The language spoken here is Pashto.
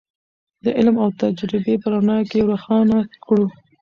د علم او تجربې په رڼا کې یې روښانه کړو.